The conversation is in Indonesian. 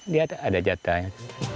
jadi ada jatahnya